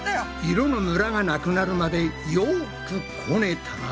色のムラがなくなるまでよくこねたら。